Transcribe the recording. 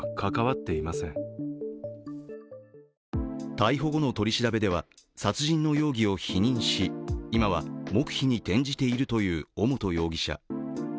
逮捕後の取り調べでは、殺人の容疑を否認し、今は黙秘に転じているという尾本容疑者。